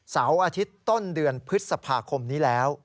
เสาร์อาทิตย์ต้นเดือนพฤษภาคมนี้แล้ว